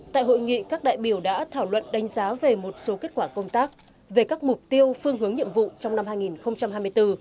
tại hội nghị các đại biểu đã thảo luận đánh giá về một số kết quả công tác về các mục tiêu phương hướng nhiệm vụ trong năm hai nghìn hai mươi bốn